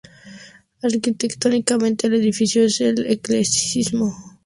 Arquitectónicamente, el edificio es del eclecticismo.